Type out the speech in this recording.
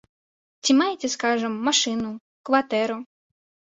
Ці маеце, скажам, машыну, кватэру?